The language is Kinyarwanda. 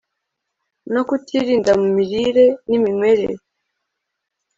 no kutirinda mu mirire niminywere